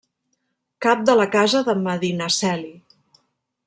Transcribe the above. Cap de la Casa de Medinaceli.